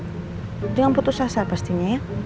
jadi yang butuh sasar pastinya ya